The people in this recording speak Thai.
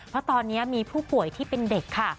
เพราะตอนนี้มีผู้ป่วยที่เป็นเด็กค่ะ